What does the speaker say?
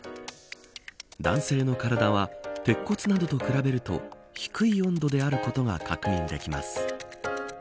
男性の体は鉄骨などと比べると低い温度であることが確認できます。